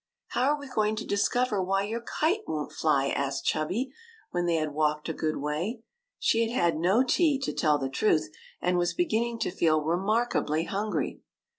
" How are we going to discover why your kite won't fly?" asked Chubby, when they had walked a good way. She had had no tea, to tell the truth, and was beginning to feel remarkably hungry.